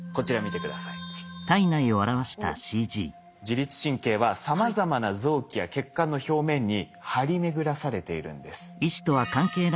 自律神経はさまざまな臓器や血管の表面に張り巡らされているんです。